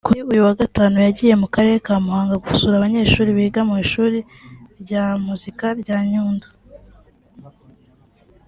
kuri uyu wa Gatanu yagiye mu Karere ka Muhanga gusura abanyeshuri biga mu Ishuri rya Muzika rya Nyundo